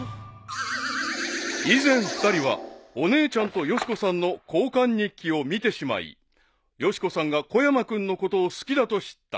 ［以前２人はお姉ちゃんとよし子さんの交換日記を見てしまいよし子さんが小山君のことを好きだと知った］